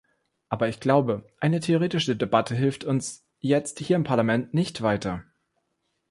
Aber ich glaube, eine theoretische Debatte hilft uns jetzt hier im Parlament nicht weiter.